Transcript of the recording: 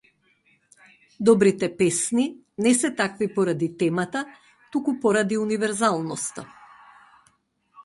Добрите песни не се такви поради темата, туку поради универзалноста.